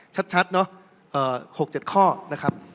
ชัดเนอะ๖๗ข้อนะครับ